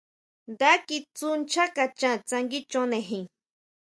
Nda kitsú nchá kaxhan tsánguichonejin.